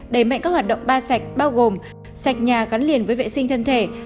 đẩy mạnh các hoạt động ba sạch bao gồm sạch nhà gắn liền với vệ sinh thân thể